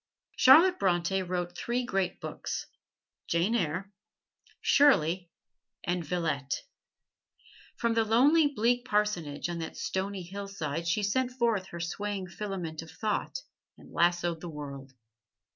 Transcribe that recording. Charlotte Bronte wrote three great books: "Jane Eyre," "Shirley" and "Villette." From the lonely, bleak parsonage on that stony hillside she sent forth her swaying filament of thought and lassoed the world.